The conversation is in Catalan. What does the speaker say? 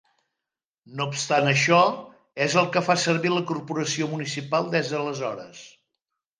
No obstant això, és el que fa servir la corporació municipal des d'aleshores.